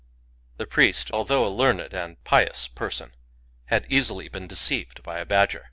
The priest, although a learned and pious per son, had easily been deceived by a badger.